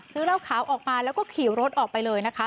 เหล้าขาวออกมาแล้วก็ขี่รถออกไปเลยนะคะ